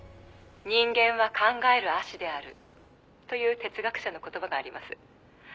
「“人間は考える葦である”という哲学者の言葉があります」